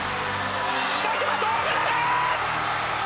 北島、銅メダル！